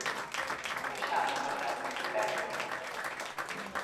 ผู้ชายคนนั้นคือแบงค์